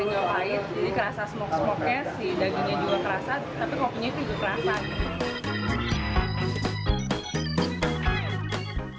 jadi kerasa smok smoknya si dagingnya juga kerasa tapi kopinya itu juga kerasa